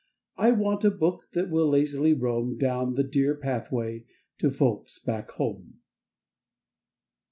I want a book That will lazily roam Down the dear Pathway To Folks back home.